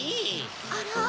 あら？